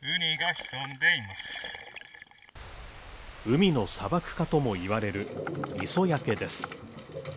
海の砂漠化ともいわれる磯焼けです